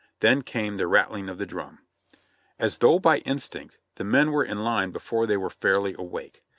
Then came the rattling of the drum. As though by instinct the men were in line before they were fairly awake.